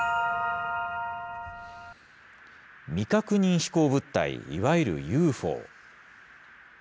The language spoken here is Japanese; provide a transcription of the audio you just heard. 未確認飛行物体、いわゆるＵＦＯ。